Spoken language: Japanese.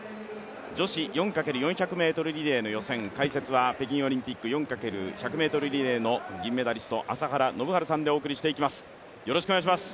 女子４×４００ｍリレーの予選、解説は北京オリンピック４×１００ｍリレーの銀メダリスト、朝原宣治さんでお送りしていきます。